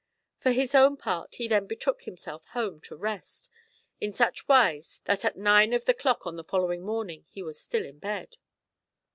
For his own part, he then betook himself home to rest, in such wise that at nine of the clock on the following morning he was still in bed.